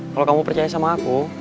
kalau kamu percaya sama aku